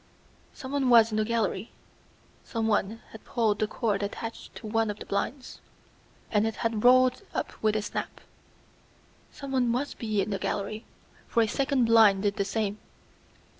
Someone was in the gallery. Someone had pulled the cord attached to one of the blinds, and it had rolled up with a snap. Someone must be in the gallery, for a second blind did the same.